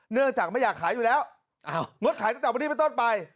เนื่องจากไม่อยากขายอยู่แล้วงดขายตั้งแต่วันนี้เป็นต้นไป